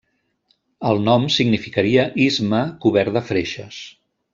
El nom significaria istme cobert de freixes.